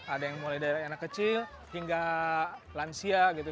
ada yang mulai dari anak kecil hingga lansia gitu